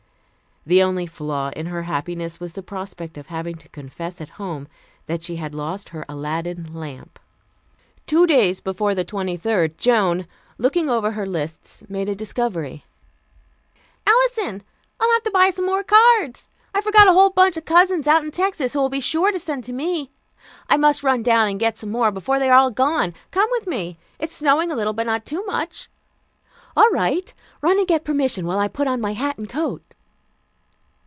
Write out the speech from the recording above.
The only flaw in her happiness was the prospect of having to confess at home that she had lost her "Aladdin lamp." Two days before the 23rd, Joan, looking over her lists, made a discovery. "Alison, I'll have to have some more cards. I forgot a whole bunch of cousins out in Texas, who will be sure to send to me. I must run down and get some more before they are all gone. Come with me. It's snowing a little, but not too much." "All right. Run and get permission while I put on my hat and coat."